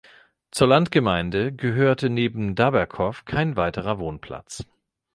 Zur Landgemeinde gehörte neben Daberkow kein weiterer Wohnplatz.